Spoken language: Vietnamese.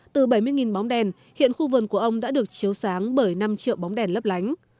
từ bảy mươi bóng đèn hiện khu vườn của ông đã được chiếu sáng bởi năm triệu bóng đèn lấp lánh